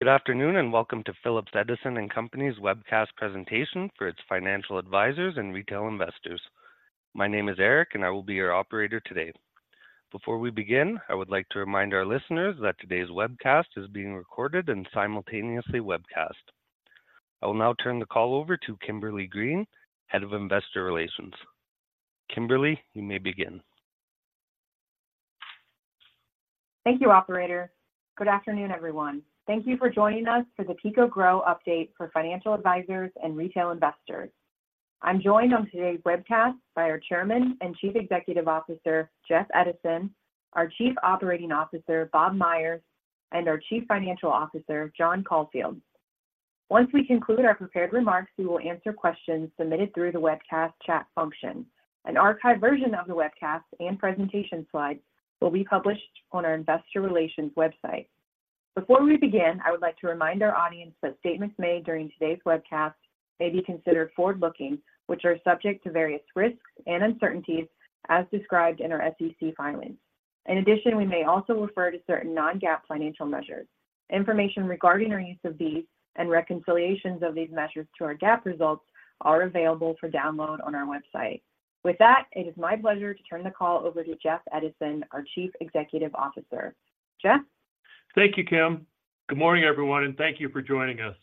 Good afternoon, and welcome to Phillips Edison & Company's webcast presentation for its financial advisors and retail investors. My name is Eric, and I will be your operator today. Before we begin, I would like to remind our listeners that today's webcast is being recorded and simultaneously webcast. I will now turn the call over to Kimberly Green, Head of Investor Relations. Kimberly, you may begin. Thank you, operator. Good afternoon, everyone. Thank you for joining us for the PECO Grow update for financial advisors and retail investors. I'm joined on today's webcast by our Chairman and Chief Executive Officer, Jeff Edison, our Chief Operating Officer, Bob Myers, and our Chief Financial Officer, John Caulfield. Once we conclude our prepared remarks, we will answer questions submitted through the webcast chat function. An archived version of the webcast and presentation slides will be published on our investor relations website. Before we begin, I would like to remind our audience that statements made during today's webcast may be considered forward-looking, which are subject to various risks and uncertainties as described in our SEC filings. In addition, we may also refer to certain non-GAAP financial measures. Information regarding our use of these and reconciliations of these measures to our GAAP results are available for download on our website. With that, it is my pleasure to turn the call over to Jeff Edison, our Chief Executive Officer. Jeff? Thank you, Kim. Good morning, everyone, and thank you for joining us.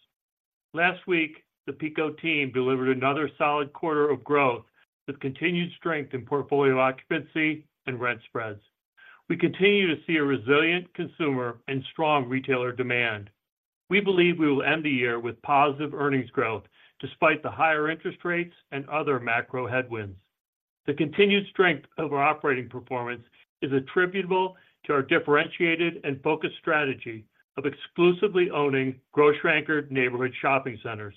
Last week, the PECO team delivered another solid quarter of growth with continued strength in portfolio occupancy and rent spreads. We continue to see a resilient consumer and strong retailer demand. We believe we will end the year with positive earnings growth, despite the higher interest rates and other macro headwinds. The continued strength of our operating performance is attributable to our differentiated and focused strategy of exclusively owning grocery-anchored neighborhood shopping centers.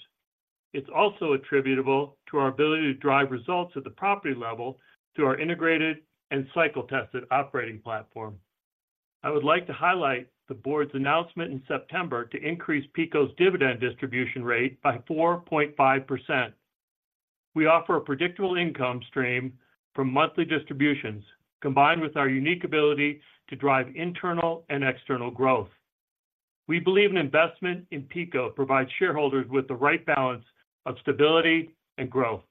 It's also attributable to our ability to drive results at the property level through our integrated and cycle-tested operating platform. I would like to highlight the board's announcement in September to increase PECO's dividend distribution rate by 4.5%. We offer a predictable income stream from monthly distributions, combined with our unique ability to drive internal and external growth. We believe an investment in PECO provides shareholders with the right balance of stability and growth.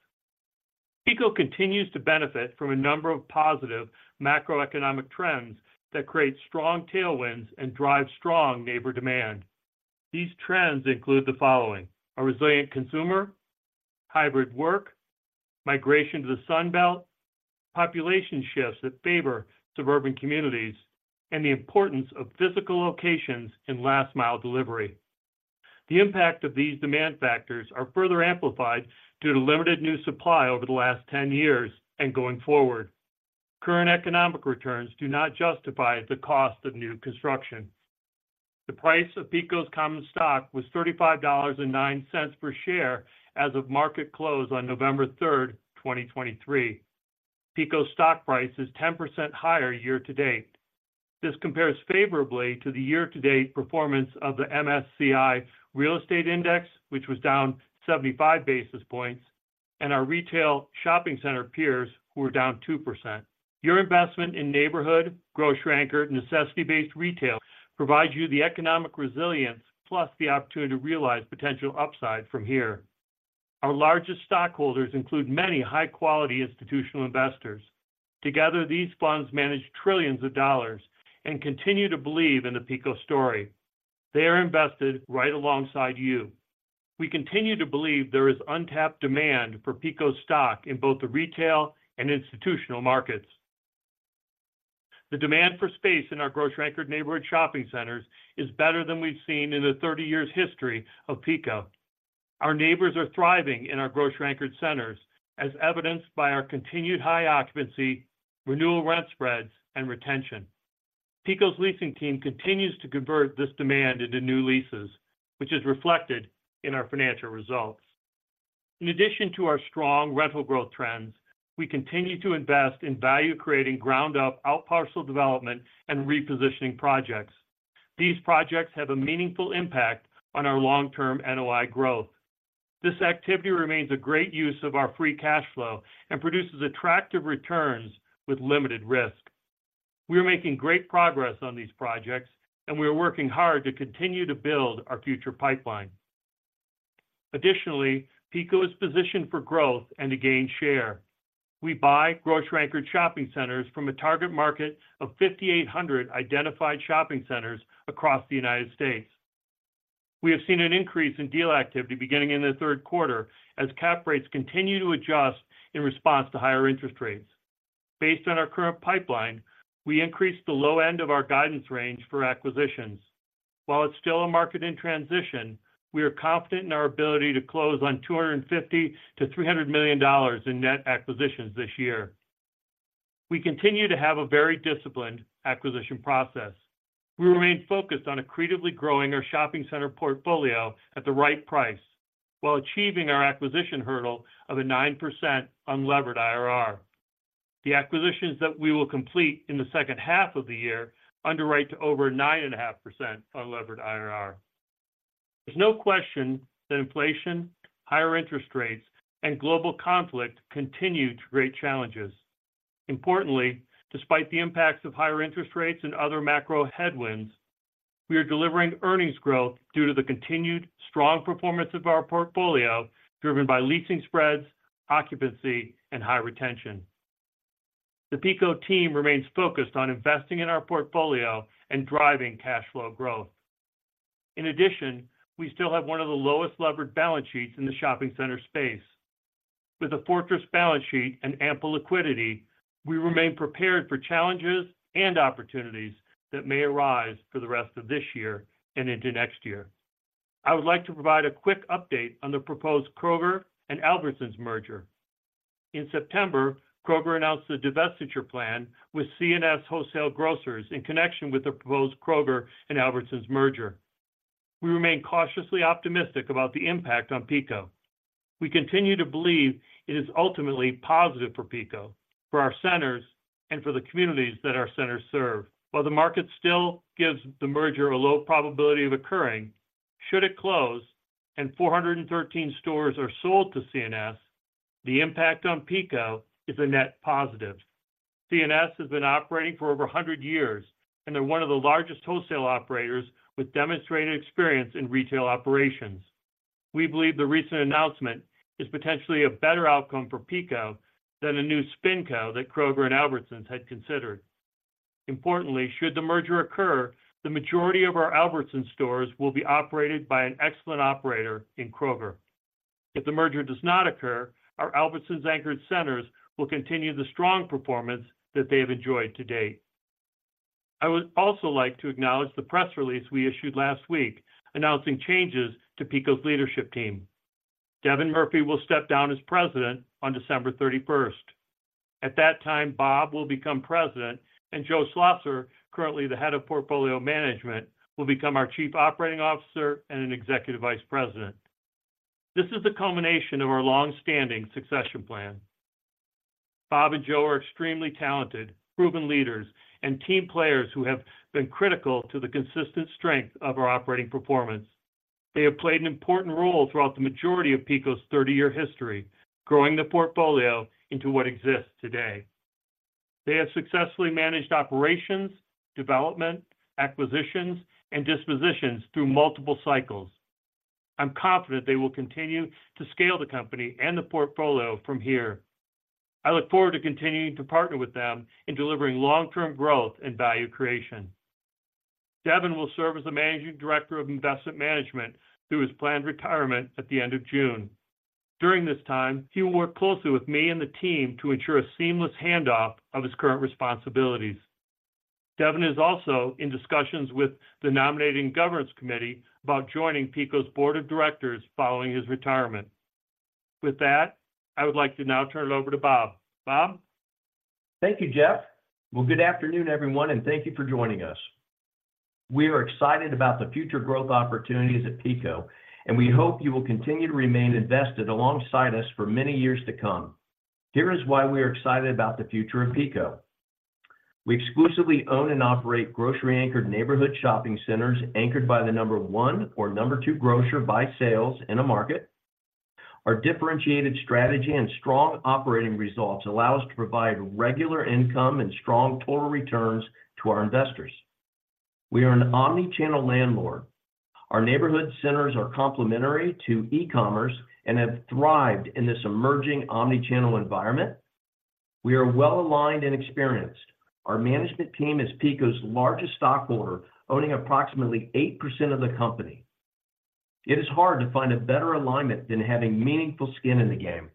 PECO continues to benefit from a number of positive macroeconomic trends that create strong tailwinds and drive strong neighbor demand. These trends include the following: a resilient consumer, hybrid work, migration to the Sun Belt, population shifts that favor suburban communities, and the importance of physical locations in last-mile delivery. The impact of these demand factors are further amplified due to limited new supply over the last 10 years and going forward. Current economic returns do not justify the cost of new construction. The price of PECO's common stock was $35.09 per share as of market close on November third, 2023. PECO's stock price is 10% higher year to date. This compares favorably to the year-to-date performance of the MSCI Real Estate Index, which was down 75 basis points, and our retail shopping center peers, who were down 2%. Your investment in neighborhood, grocery-anchored, necessity-based retail provides you the economic resilience, plus the opportunity to realize potential upside from here. Our largest stockholders include many high-quality institutional investors. Together, these funds manage trillions of dollars and continue to believe in the PECO story. They are invested right alongside you. We continue to believe there is untapped demand for PECO stock in both the retail and institutional markets. The demand for space in our grocery-anchored neighborhood shopping centers is better than we've seen in the 30 years history of PECO. Our neighbors are thriving in our grocery-anchored centers, as evidenced by our continued high occupancy, renewal rent spreads, and retention. PECO's leasing team continues to convert this demand into new leases, which is reflected in our financial results. In addition to our strong rental growth trends, we continue to invest in value-creating, ground-up outparcel development and repositioning projects. These projects have a meaningful impact on our long-term NOI growth. This activity remains a great use of our free cash flow and produces attractive returns with limited risk. We are making great progress on these projects, and we are working hard to continue to build our future pipeline. Additionally, PECO is positioned for growth and to gain share. We buy grocery-anchored shopping centers from a target market of 5,800 identified shopping centers across the United States. We have seen an increase in deal activity beginning in the third quarter as cap rates continue to adjust in response to higher interest rates. Based on our current pipeline, we increased the low end of our guidance range for acquisitions. While it's still a market in transition, we are confident in our ability to close on $250 million-$300 million in net acquisitions this year. We continue to have a very disciplined acquisition process. We remain focused on accretively growing our shopping center portfolio at the right price while achieving our acquisition hurdle of a 9% unlevered IRR. The acquisitions that we will complete in the second half of the year underwrite to over 9.5% unlevered IRR. There's no question that inflation, higher interest rates, and global conflict continue to create challenges. Importantly, despite the impacts of higher interest rates and other macro headwinds, we are delivering earnings growth due to the continued strong performance of our portfolio, driven by leasing spreads, occupancy, and high retention. The PECO team remains focused on investing in our portfolio and driving cash flow growth. In addition, we still have one of the lowest levered balance sheets in the shopping center space. With a fortress balance sheet and ample liquidity, we remain prepared for challenges and opportunities that may arise for the rest of this year and into next year. I would like to provide a quick update on the proposed Kroger and Albertsons merger. In September, Kroger announced a divestiture plan with C&S Wholesale Grocers in connection with the proposed Kroger and Albertsons merger. We remain cautiously optimistic about the impact on PECO. We continue to believe it is ultimately positive for PECO, for our centers, and for the communities that our centers serve. While the market still gives the merger a low probability of occurring, should it close and 413 stores are sold to C&S, the impact on PECO is a net positive. C&S has been operating for over 100 years, and they're one of the largest wholesale operators with demonstrated experience in retail operations. We believe the recent announcement is potentially a better outcome for PECO than a new SpinCo that Kroger and Albertsons had considered. Importantly, should the merger occur, the majority of our Albertsons stores will be operated by an excellent operator in Kroger. If the merger does not occur, our Albertsons anchored centers will continue the strong performance that they have enjoyed to date. I would also like to acknowledge the press release we issued last week, announcing changes to PECO's leadership team. Devin Murphy will step down as president on December 31st. At that time, Bob will become president, and Joe Schlosser, currently the Head of Portfolio Management, will become our Chief Operating Officer and an Executive Vice President. This is the culmination of our long-standing succession plan. Bob and Joe are extremely talented, proven leaders, and team players who have been critical to the consistent strength of our operating performance. They have played an important role throughout the majority of PECO's 30-year history, growing the portfolio into what exists today. They have successfully managed operations, development, acquisitions, and dispositions through multiple cycles. I'm confident they will continue to scale the company and the portfolio from here. I look forward to continuing to partner with them in delivering long-term growth and value creation. Devin will serve as the Managing Director of Investment Management through his planned retirement at the end of June. During this time, he will work closely with me and the team to ensure a seamless handoff of his current responsibilities. Devin is also in discussions with the Nominating Governance Committee about joining PECO's Board of Directors following his retirement. With that, I would like to now turn it over to Bob. Bob? Thank you, Jeff. Well, good afternoon, everyone, and thank you for joining us. We are excited about the future growth opportunities at PECO, and we hope you will continue to remain invested alongside us for many years to come. Here is why we are excited about the future of PECO. We exclusively own and operate grocery-anchored neighborhood shopping centers, anchored by the number one or number two grocer by sales in a market. Our differentiated strategy and strong operating results allow us to provide regular income and strong total returns to our investors. We are an omni-channel landlord. Our neighborhood centers are complementary to e-commerce and have thrived in this emerging omni-channel environment. We are well-aligned and experienced. Our management team is PECO's largest stockholder, owning approximately 8% of the company. It is hard to find a better alignment than having meaningful skin in the game.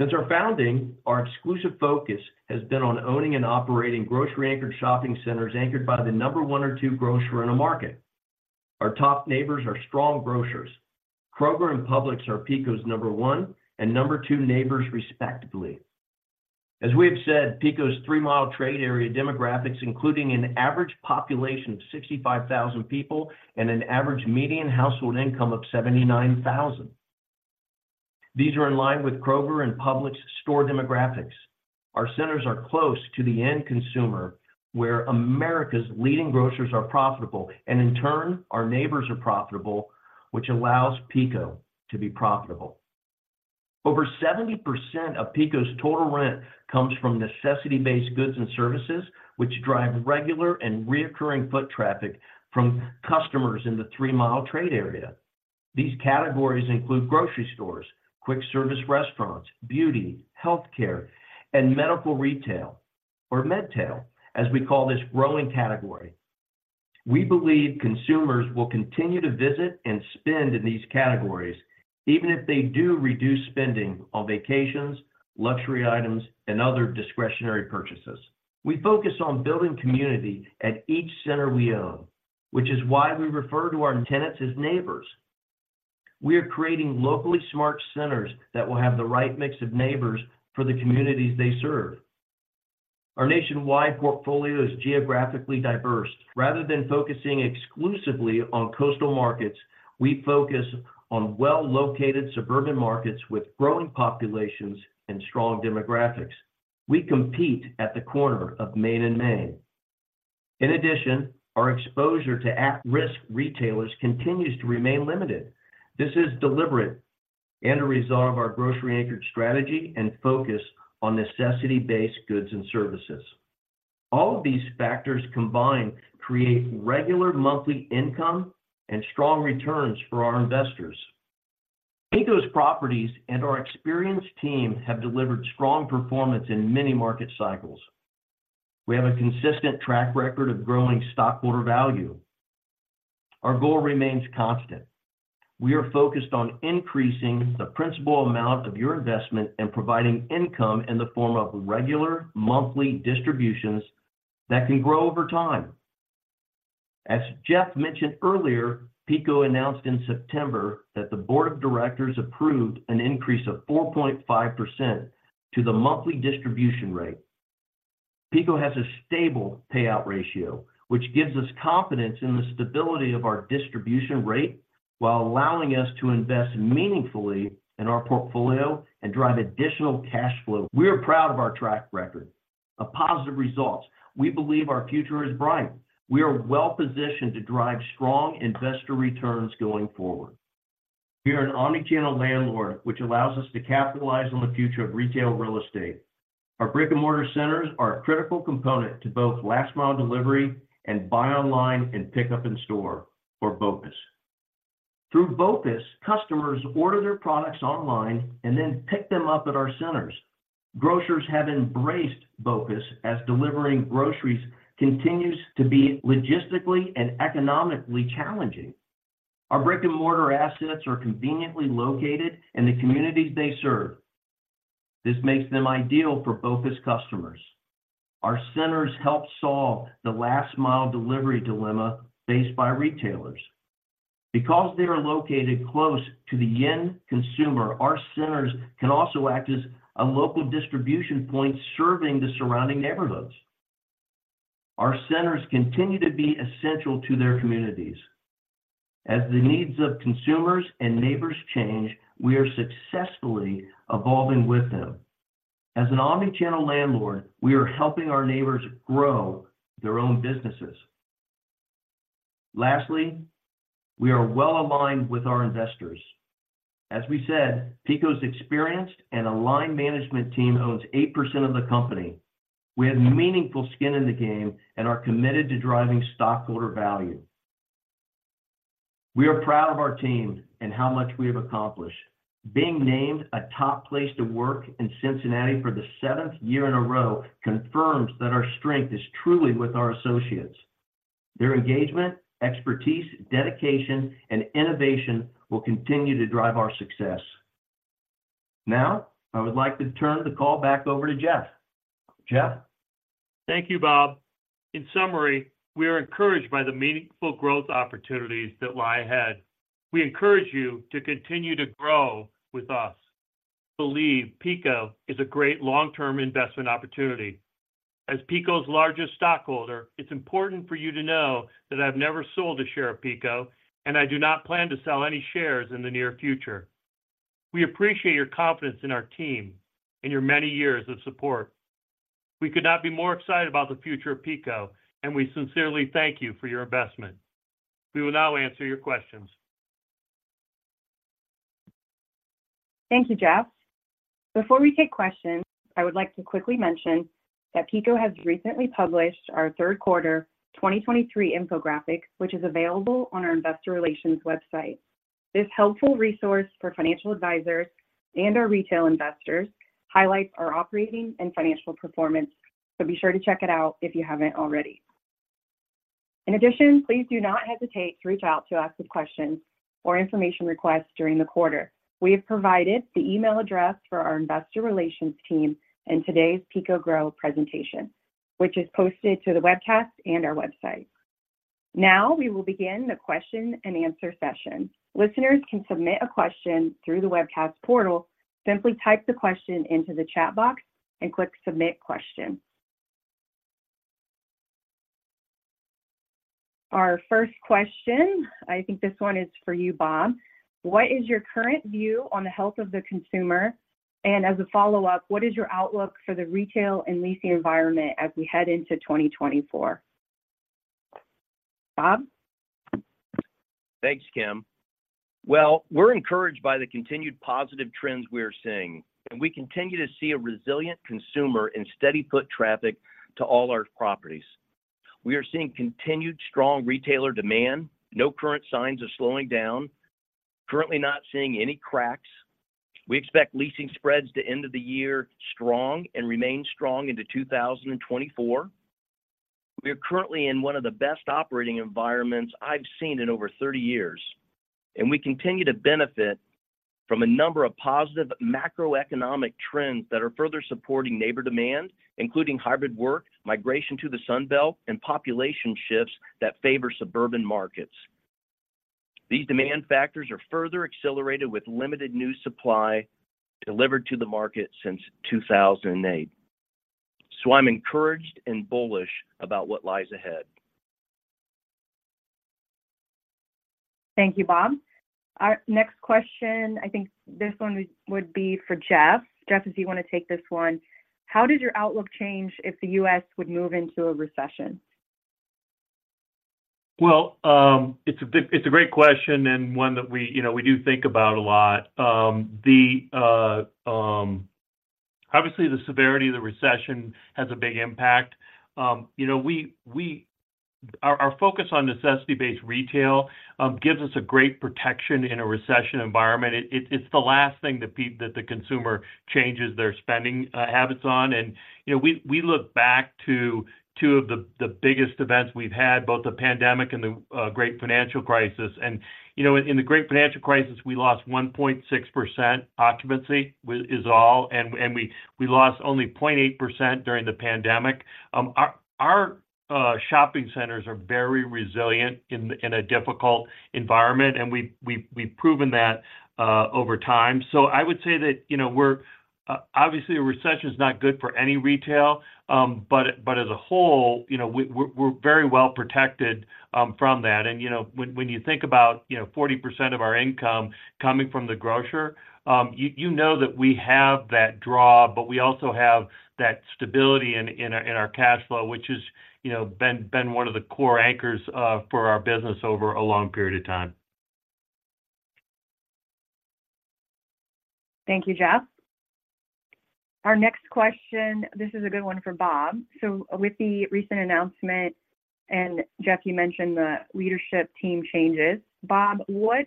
Since our founding, our exclusive focus has been on owning and operating grocery-anchored shopping centers, anchored by the number one or two grocer in a market. Our top neighbors are strong grocers. Kroger and Publix are PECO's number one and number two neighbors, respectively. As we have said, PECO's three-mile trade area demographics, including an average population of 65,000 people and an average median household income of $79,000. These are in line with Kroger and Publix store demographics. Our centers are close to the end consumer, where America's leading grocers are profitable, and in turn, our neighbors are profitable, which allows PECO to be profitable. Over 70% of PECO's total rent comes from necessity-based goods and services, which drive regular and recurring foot traffic from customers in the three-mile trade area. These categories include grocery stores, quick service restaurants, beauty, healthcare, and medical retail, or MedTail, as we call this growing category. We believe consumers will continue to visit and spend in these categories, even if they do reduce spending on vacations, luxury items, and other discretionary purchases. We focus on building community at each center we own, which is why we refer to our tenants as neighbors. We are creating locally smart centers that will have the right mix of neighbors for the communities they serve. Our nationwide portfolio is geographically diverse. Rather than focusing exclusively on coastal markets, we focus on well-located suburban markets with growing populations and strong demographics. We compete at the corner of Main and Main…. In addition, our exposure to at-risk retailers continues to remain limited. This is deliberate and a result of our grocery-anchored strategy and focus on necessity-based goods and services. All of these factors combined create regular monthly income and strong returns for our investors. PECO's properties and our experienced team have delivered strong performance in many market cycles. We have a consistent track record of growing stockholder value. Our goal remains constant. We are focused on increasing the principal amount of your investment and providing income in the form of regular monthly distributions that can grow over time. As Jeff mentioned earlier, PECO announced in September that the board of directors approved an increase of 4.5% to the monthly distribution rate. PECO has a stable payout ratio, which gives us confidence in the stability of our distribution rate, while allowing us to invest meaningfully in our portfolio and drive additional cash flow. We are proud of our track record of positive results. We believe our future is bright. We are well positioned to drive strong investor returns going forward. We are an omnichannel landlord, which allows us to capitalize on the future of retail real estate. Our brick-and-mortar centers are a critical component to both last mile delivery and buy online and pickup in store, or BOPUS. Through BOPUS, customers order their products online and then pick them up at our centers. Grocers have embraced BOPUS as delivering groceries continues to be logistically and economically challenging. Our brick-and-mortar assets are conveniently located in the communities they serve. This makes them ideal for BOPUS customers. Our centers help solve the last-mile delivery dilemma faced by retailers. Because they are located close to the end consumer, our centers can also act as a local distribution point serving the surrounding neighborhoods. Our centers continue to be essential to their communities. As the needs of consumers and neighbors change, we are successfully evolving with them. As an omnichannel landlord, we are helping our neighbors grow their own businesses. Lastly, we are well aligned with our investors. As we said, PECO's experienced and aligned management team owns 8% of the company. We have meaningful skin in the game and are committed to driving stockholder value. We are proud of our team and how much we have accomplished. Being named a top place to work in Cincinnati for the seventh year in a row confirms that our strength is truly with our associates. Their engagement, expertise, dedication, and innovation will continue to drive our success. Now, I would like to turn the call back over to Jeff. Jeff? Thank you, Bob. In summary, we are encouraged by the meaningful growth opportunities that lie ahead. We encourage you to continue to grow with us. Believe PECO is a great long-term investment opportunity. As PECO's largest stockholder, it's important for you to know that I've never sold a share of PECO, and I do not plan to sell any shares in the near future. We appreciate your confidence in our team and your many years of support. We could not be more excited about the future of PECO, and we sincerely thank you for your investment. We will now answer your questions. Thank you, Jeff. Before we take questions, I would like to quickly mention that PECO has recently published our third quarter 2023 infographic, which is available on our investor relations website. This helpful resource for financial advisors and our retail investors highlights our operating and financial performance, so be sure to check it out if you haven't already. In addition, please do not hesitate to reach out to us with questions or information requests during the quarter. We have provided the email address for our investor relations team in today's PECO GROW presentation, which is posted to the webcast and our website. Now, we will begin the question and answer session. Listeners can submit a question through the webcast portal. Simply type the question into the chat box and click Submit Question. Our first question, I think this one is for you, Bob. What is your current view on the health of the consumer? And as a follow-up, what is your outlook for the retail and leasing environment as we head into 2024? Bob? Thanks, Kim. Well, we're encouraged by the continued positive trends we are seeing, and we continue to see a resilient consumer and steady foot traffic to all our properties. We are seeing continued strong retailer demand, no current signs of slowing down. Currently not seeing any cracks. We expect leasing spreads to end of the year strong and remain strong into 2024. We are currently in one of the best operating environments I've seen in over 30 years, and we continue to benefit from a number of positive macroeconomic trends that are further supporting neighbor demand, including hybrid work, migration to the Sun Belt, and population shifts that favor suburban markets. These demand factors are further accelerated with limited new supply delivered to the market since 2008. So I'm encouraged and bullish about what lies ahead. Thank you, Bob. Our next question, I think this one would, would be for Jeff. Jeff, if you want to take this one. How did your outlook change if the U.S. would move into a recession? Well, it's a great question, and one that we, you know, we do think about a lot. Obviously, the severity of the recession has a big impact. You know, our focus on necessity-based retail gives us a great protection in a recession environment. It's the last thing that the consumer changes their spending habits on, and, you know, we look back to two of the biggest events we've had, both the pandemic and the great financial crisis. And, you know, in the great financial crisis, we lost 1.6% occupancy is all, and we lost only 0.8% during the pandemic. Our shopping centers are very resilient in a difficult environment, and we've proven that over time. So I would say that, you know, we're obviously a recession is not good for any retail, but as a whole, you know, we're very well protected from that. And, you know, when you think about, you know, 40% of our income coming from the grocer, you know that we have that draw, but we also have that stability in our cash flow, which is, you know, been one of the core anchors for our business over a long period of time. Thank you, Jeff. Our next question, this is a good one for Bob. So with the recent announcement, and Jeff, you mentioned the leadership team changes, Bob, what,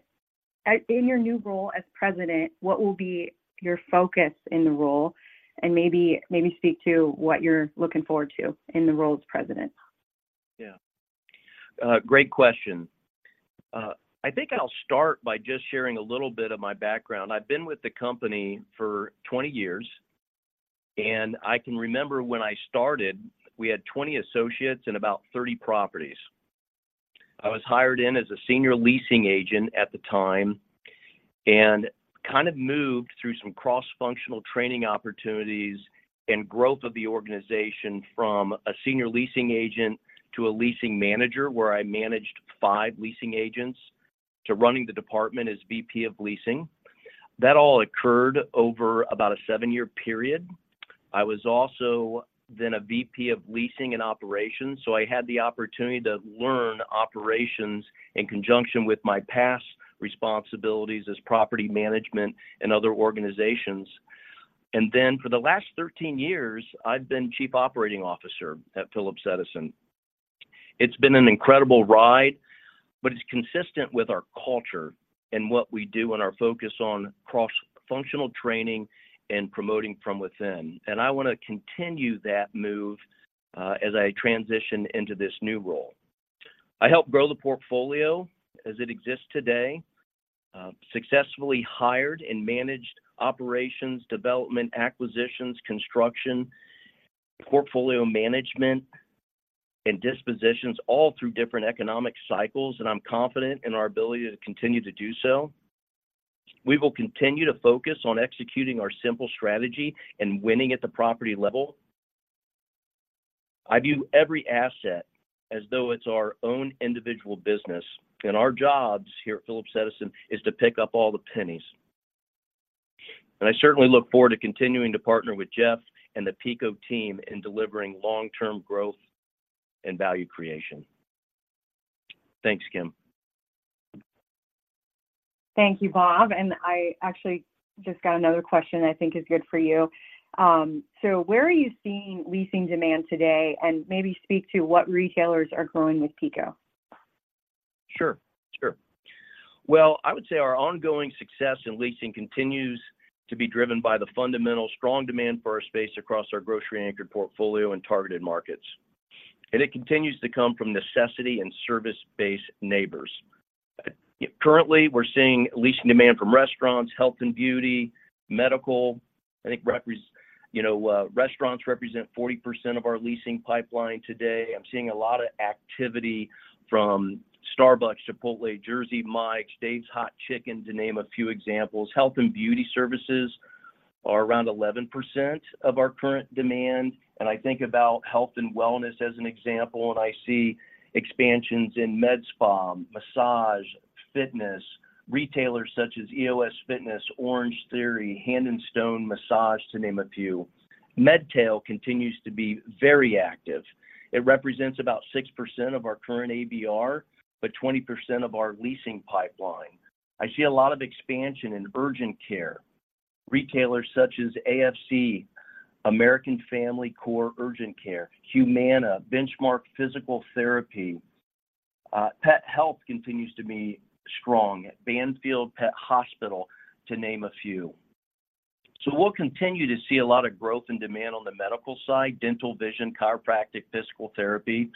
in your new role as president, what will be your focus in the role? And maybe, maybe speak to what you're looking forward to in the role as president. Yeah. Great question. I think I'll start by just sharing a little bit of my background. I've been with the company for 20 years, and I can remember when I started, we had 20 associates and about 30 properties. I was hired in as a senior leasing agent at the time, and kind of moved through some cross-functional training opportunities and growth of the organization from a senior leasing agent to a leasing manager, where I managed 5 leasing agents, to running the department as VP of leasing. That all occurred over about a 7-year period. I was also then a VP of leasing and operations, so I had the opportunity to learn operations in conjunction with my past responsibilities as property management in other organizations. And then for the last 13 years, I've been Chief Operating Officer at Phillips Edison. It's been an incredible ride, but it's consistent with our culture and what we do and our focus on cross-functional training and promoting from within. And I want to continue that move, as I transition into this new role. I helped grow the portfolio as it exists today, successfully hired and managed operations, development, acquisitions, construction, portfolio management, and dispositions all through different economic cycles, and I'm confident in our ability to continue to do so. We will continue to focus on executing our simple strategy and winning at the property level. I view every asset as though it's our own individual business, and our jobs here at Phillips Edison is to pick up all the pennies. And I certainly look forward to continuing to partner with Jeff and the PECO team in delivering long-term growth and value creation. Thanks, Kim. Thank you, Bob, and I actually just got another question I think is good for you. Where are you seeing leasing demand today? And maybe speak to what retailers are growing with PECO. Sure, sure. Well, I would say our ongoing success in leasing continues to be driven by the fundamental strong demand for our space across our grocery-anchored portfolio and targeted markets, and it continues to come from necessity and service-based neighbors. Currently, we're seeing leasing demand from restaurants, health and beauty, medical. I think represent—you know, restaurants represent 40% of our leasing pipeline today. I'm seeing a lot of activity from Starbucks, Chipotle, Jersey Mike's, Dave's Hot Chicken, to name a few examples. Health and beauty services are around 11% of our current demand, and I think about health and wellness as an example, and I see expansions in med spa, massage, fitness, retailers such as EOS Fitness, Orangetheory, Hand & Stone Massage, to name a few. Medtail continues to be very active. It represents about 6% of our current ABR, but 20% of our leasing pipeline. I see a lot of expansion in urgent care. Retailers such as AFC, American Family Care Urgent Care, Humana, Benchmark Physical Therapy. Pet health continues to be strong at Banfield Pet Hospital, to name a few. So we'll continue to see a lot of growth and demand on the medical side, dental, vision, chiropractic, physical therapy,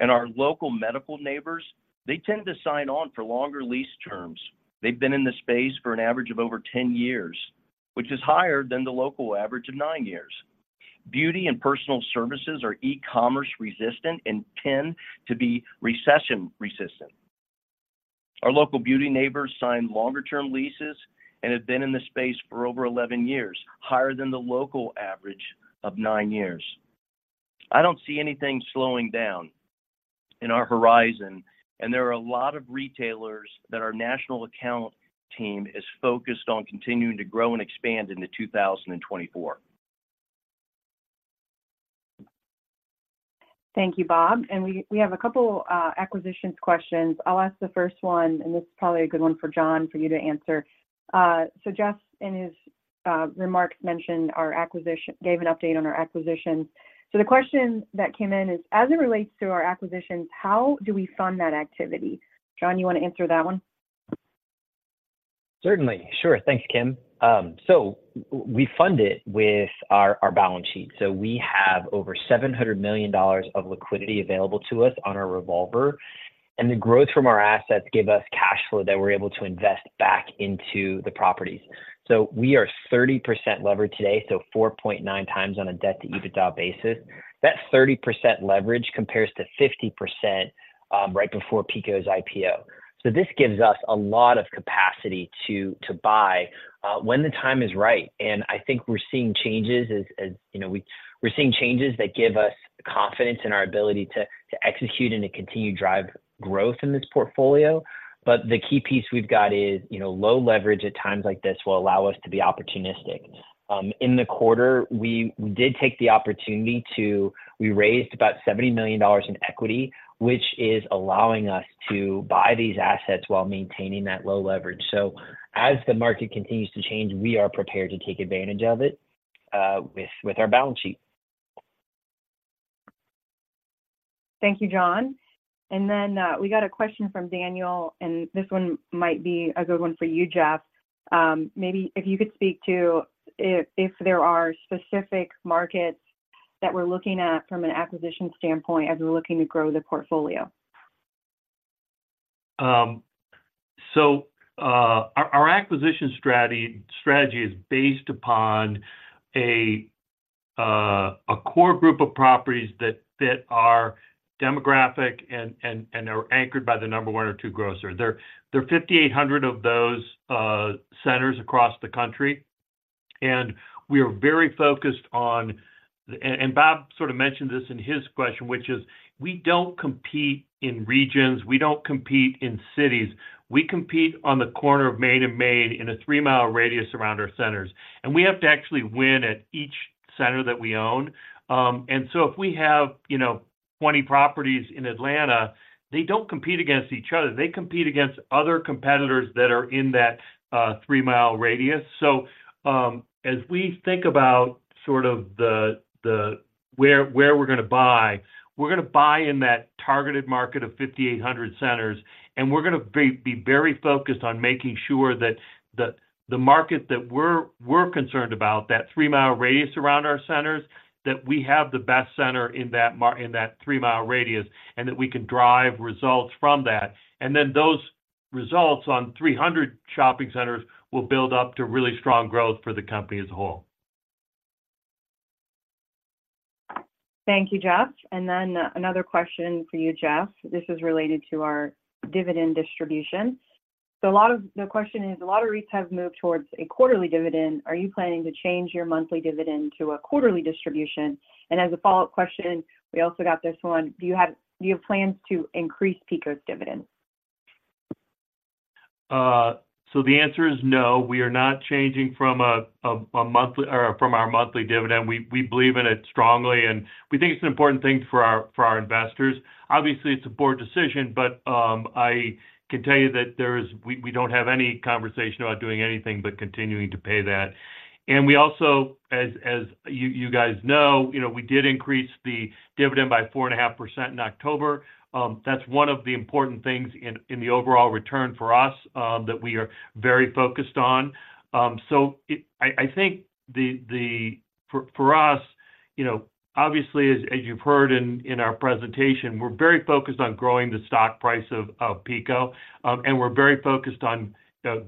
and our local medical neighbors, they tend to sign on for longer lease terms. They've been in the space for an average of over 10 years, which is higher than the local average of 9 years. Beauty and personal services are e-commerce resistant and tend to be recession resistant. Our local beauty neighbors sign longer term leases and have been in the space for over 11 years, higher than the local average of 9 years. I don't see anything slowing down in our horizon, and there are a lot of retailers that our national account team is focused on continuing to grow and expand into 2024. Thank you, Bob. We have a couple acquisitions questions. I'll ask the first one, and this is probably a good one for John, for you to answer. So Jeff, in his remarks, mentioned our acquisition, gave an update on our acquisitions. So the question that came in is: as it relates to our acquisitions, how do we fund that activity? John, you want to answer that one? Certainly. Sure. Thanks, Kim. So we fund it with our balance sheet. So we have over $700 million of liquidity available to us on our revolver, and the growth from our assets give us cash flow that we're able to invest back into the properties. So we are 30% levered today, so 4.9 times on a debt-to-EBITDA basis. That 30% leverage compares to 50%, right before PECO's IPO. So this gives us a lot of capacity to buy when the time is right, and I think we're seeing changes as you know, we're seeing changes that give us confidence in our ability to execute and to continue to drive growth in this portfolio. But the key piece we've got is, you know, low leverage at times like this will allow us to be opportunistic. In the quarter, we did take the opportunity to... We raised about $70 million in equity, which is allowing us to buy these assets while maintaining that low leverage. So as the market continues to change, we are prepared to take advantage of it, with our balance sheet. Thank you, John. And then, we got a question from Daniel, and this one might be a good one for you, Jeff. Maybe if you could speak to if, if there are specific markets that we're looking at from an acquisition standpoint as we're looking to grow the portfolio? So, our acquisition strategy is based upon a core group of properties that fit our demographic and are anchored by the number one or two grocer. There are 5,800 of those centers across the country, and we are very focused on, and Bob sort of mentioned this in his question, which is we don't compete in regions, we don't compete in cities. We compete on the corner of Main and Main in a three-mile radius around our centers, and we have to actually win at each center that we own. And so if we have, you know, 20 properties in Atlanta, they don't compete against each other. They compete against other competitors that are in that three-mile radius. So, as we think about sort of the where we're gonna buy, we're gonna buy in that targeted market of 5,800 centers, and we're gonna be very focused on making sure that the market that we're concerned about, that three-mile radius around our centers, that we have the best center in that three-mile radius, and that we can drive results from that. And then those results on 300 shopping centers will build up to really strong growth for the company as a whole. Thank you, Jeff. Then another question for you, Jeff. This is related to our dividend distribution. So the question is, a lot of REITs have moved towards a quarterly dividend. Are you planning to change your monthly dividend to a quarterly distribution? And as a follow-up question, we also got this one: Do you have plans to increase PECO's dividend? So the answer is no. We are not changing from a monthly or from our monthly dividend. We believe in it strongly, and we think it's an important thing for our investors. Obviously, it's a board decision, but I can tell you that we don't have any conversation about doing anything but continuing to pay that. And we also, as you guys know, you know, we did increase the dividend by 4.5% in October. That's one of the important things in the overall return for us that we are very focused on. I think the... For us, you know, obviously, as you've heard in our presentation, we're very focused on growing the stock price of PECO, and we're very focused on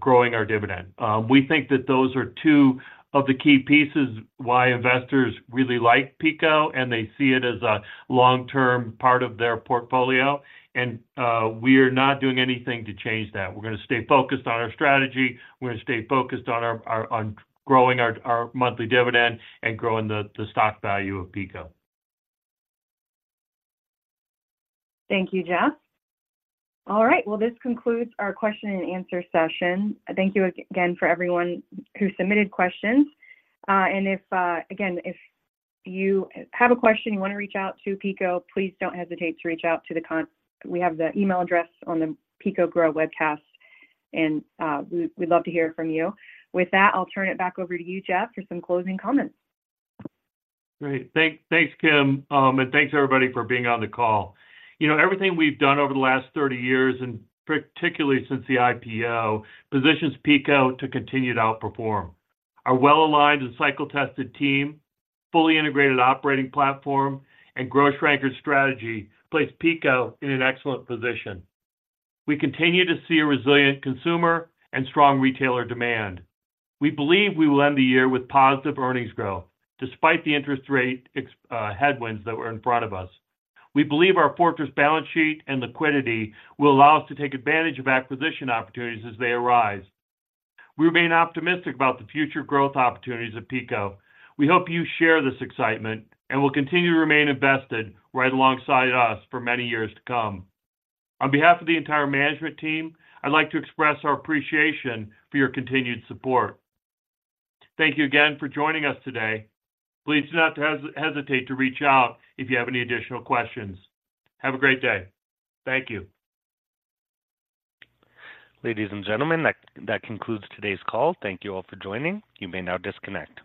growing our dividend. We think that those are two of the key pieces why investors really like PECO, and they see it as a long-term part of their portfolio, and we are not doing anything to change that. We're gonna stay focused on our strategy. We're gonna stay focused on growing our monthly dividend and growing the stock value of PECO. Thank you, Jeff. All right, well, this concludes our question and answer session. Thank you again for everyone who submitted questions. And if, again, if you have a question, you want to reach out to PECO, please don't hesitate to reach out. We have the email address on the PECO GROW webcast, and we'd love to hear from you. With that, I'll turn it back over to you, Jeff, for some closing comments. Great. Thanks, Kim. And thanks, everybody, for being on the call. You know, everything we've done over the last 30 years, and particularly since the IPO, positions PECO to continue to outperform. Our well-aligned and cycle-tested team, fully integrated operating platform, and grocery-anchored strategy place PECO in an excellent position. We continue to see a resilient consumer and strong retailer demand. We believe we will end the year with positive earnings growth, despite the interest rate headwinds that were in front of us. We believe our fortress balance sheet and liquidity will allow us to take advantage of acquisition opportunities as they arise. We remain optimistic about the future growth opportunities of PECO. We hope you share this excitement, and will continue to remain invested right alongside us for many years to come. On behalf of the entire management team, I'd like to express our appreciation for your continued support. Thank you again for joining us today. Please do not hesitate to reach out if you have any additional questions. Have a great day. Thank you. Ladies and gentlemen, that concludes today's call. Thank you all for joining. You may now disconnect.